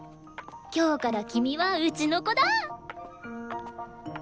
今日から君はうちの子だ！